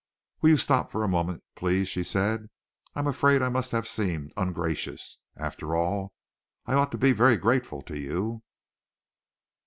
"Will you stop for a moment, please?" she said. "I am afraid I must have seemed ungracious. After all, I ought to be very grateful to you."